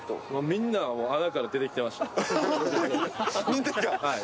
みんな、穴から出てきました。